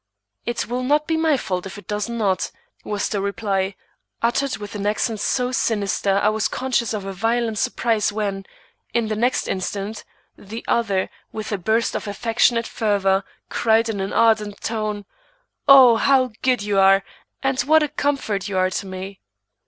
"It will not be my fault if it does not," was the reply, uttered with an accent so sinister I was conscious of a violent surprise when, in the next instant, the other, with a burst of affectionate fervor, cried in an ardent tone: "Oh, how good you are, and what a comfort you are to me!"